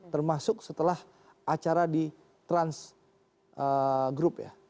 termasuk setelah acara di trans group ya